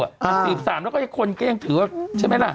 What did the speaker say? ๔๓แล้วก็คนก็ยังถือว่าใช่ไหมล่ะ